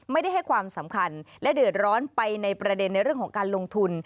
ให้ความสำคัญและเดือดร้อนไปในประเด็นในเรื่องของการลงทุน